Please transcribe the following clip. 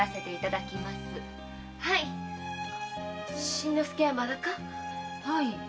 新之助はまだか？